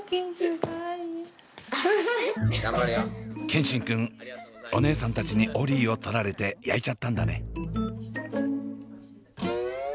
健新くんお姉さんたちにオリィを取られてやいちゃったんだね。